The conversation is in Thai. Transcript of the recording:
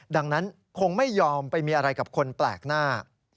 ดังนั้นคงไม่ยอมไปมีอะไรกับคนแปลกหน้า